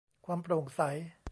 ความโปร่งใส